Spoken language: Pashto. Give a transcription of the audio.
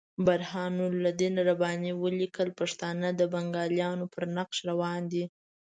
برهان الدین رباني ولیکل پښتانه د بنګالیانو پر نقش روان دي.